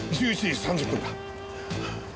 １１時３０分だ。